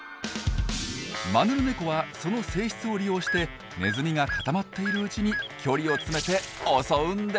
マヌルネコはその性質を利用してネズミが固まっているうちに距離を詰めて襲うんです。